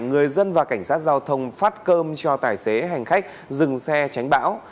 người dân và cảnh sát giao thông phát cơm cho tài xế hành khách dừng xe tránh bão